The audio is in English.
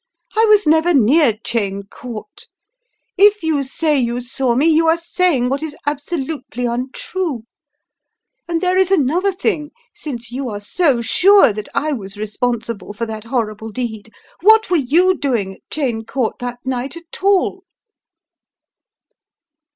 I was never near Cheyne Court. If you say you saw me, you are saying what is absolutely untrue. And there is another thing, since you are so sure that I was responsible for that horrible deed, what were you doing at Cheyne Court that night at all?"